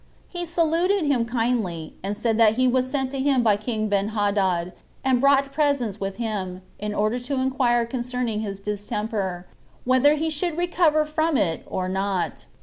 He saluted him kindly, and said that he was sent to him by king Benhadad, and brought presents with him, in order to inquire concerning his distemper, whether he should recover from it or not.